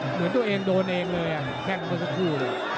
เหมือนตัวเองโดนเองเลยอ่ะแพร่งกันสักครู่เลย